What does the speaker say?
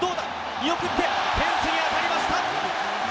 見送って、フェンスに当たりました！